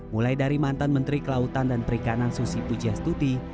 mulai dari mantan menteri kelautan dan perikanan susi pujastuti